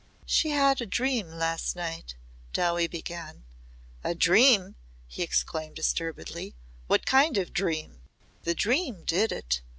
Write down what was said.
"She had a dream last night," Dowie began. "A dream!" he exclaimed disturbedly. "What kind of dream?" "The dream did it.